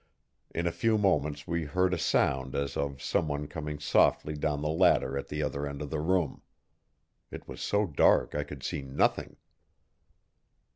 In a few moments we heard a sound as of someone coming softly down the ladder at the other end of the room. It was so dark I could see nothing.